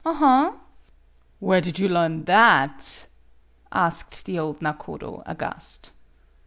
Aha! "" Where did you learn that ?" asked the old nakodo, aghast.